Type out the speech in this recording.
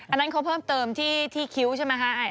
อันนั้นเขาเพิ่มเติมที่คิ้วใช่ไหมคะ